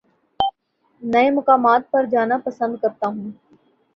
نئے مقامات پر جانا پسند کرتا ہوں